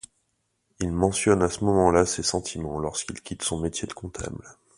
Il mentionne à ce moment-là ses sentiments lorsqu’il quitte son métier de comptable.